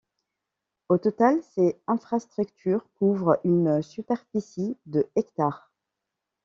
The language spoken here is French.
Au total, ces infrastructures couvrent une superficie de hectares.